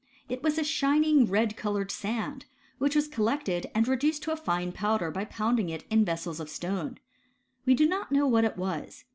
It was a shining red coloured sand, which was col Ilected and reduced to a fine powder by pounding it in Vessels of stone. We do not know what it was.